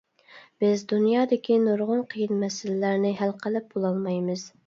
بىز دۇنيادىكى نۇرغۇن قىيىن مەسىلىلەرنى ھەل قىلىپ بولالمايمىز.